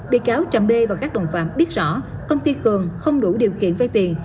bị cáo trầm bê và các đồng phạm biết rõ công ty cường không đủ điều kiện vay tiền